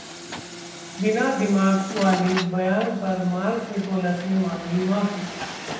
‘बिना दिमाग’ वाले बयान पर मार्क निकोलस ने मांगी माफी